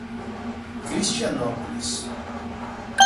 Cristianópolis